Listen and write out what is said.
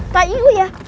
kak ibu ya